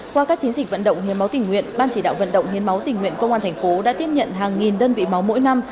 qua các chiến dịch vận động hiến máu tình nguyện ban chỉ đạo vận động hiến máu tình nguyện công an thành phố đã tiếp nhận hàng nghìn đơn vị máu mỗi năm